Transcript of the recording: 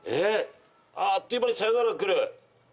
あっという間にさよならがくる！